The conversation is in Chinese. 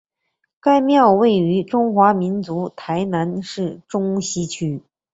该庙位于中华民国台南市中西区。